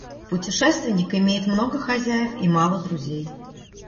Путешественник имеет много хозяев и мало друзей.